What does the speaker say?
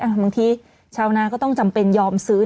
บางทีชาวนาก็ต้องจำเป็นยอมซื้อ